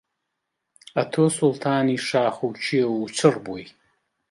ئەتۆ سوڵتانی شاخ و کێو و چڕ بووی